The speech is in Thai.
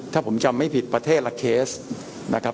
ถ้าผมจำไม่ผิดประเทศละเคสนะครับ